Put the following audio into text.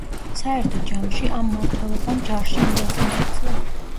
საერთო ჯამში, ამ მმართველობამ ჯარში მიზანს მიაღწია.